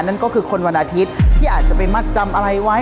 นั่นก็คือคนวันอาทิตย์ที่อาจจะไปมัดจำอะไรไว้